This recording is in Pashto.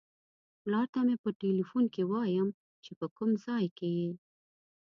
پلار ته مې په ټیلیفون کې وایم چې په کوم ځای کې یې.